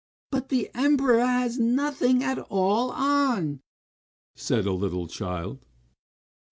"But the Emperor has nothing at all on!" said a little child.